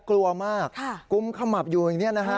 กลัวมากกุมขมับอยู่อย่างนี้นะฮะ